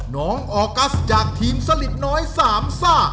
น้องออกัสจากทีมสลิดน้อยสามซ่า